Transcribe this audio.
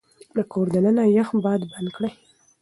د کور دننه يخ باد بند کړئ.